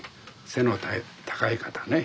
背の高い方ね